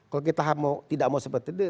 kalau kita mau tidak mau seperti itu